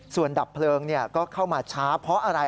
ส่วนดับเพลิงก็เข้ามาช้าเพราะอะไร